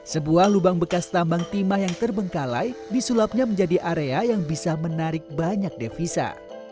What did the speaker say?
sebuah lubang bekas tambang timah yang terbengkalai disulapnya menjadi area yang bisa menarik banyak devisa